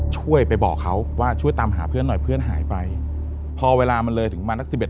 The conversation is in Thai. ช่วยไปบอกเขาว่าช่วยตามหาเพื่อนหน่อยเพื่อนหายไปพอเวลามันเลยถึงมานักสิบเอ็